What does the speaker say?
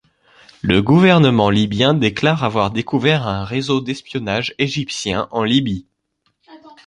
Le gouvernement libyen déclare avoir découvert un réseau d'espionnage égyptien en Libye.